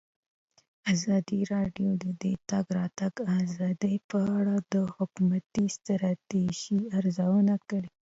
ازادي راډیو د د تګ راتګ ازادي په اړه د حکومتي ستراتیژۍ ارزونه کړې.